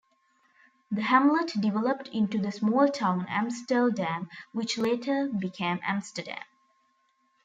The hamlet developed into the small town "Amsteldam", which later became Amsterdam.